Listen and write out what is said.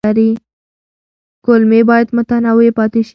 کولمې باید متنوع پاتې شي.